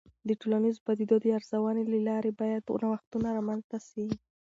د ټولنیزو پدیدو د ارزونې له لارې باید نوښتونه رامنځته سي.